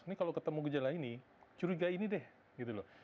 ini kalau ketemu gejala ini curiga ini deh gitu loh